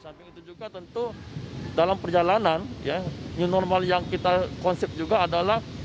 samping itu juga tentu dalam perjalanan new normal yang kita konsep juga adalah